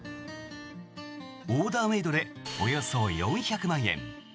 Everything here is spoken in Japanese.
オーダーメイドでおよそ４００万円。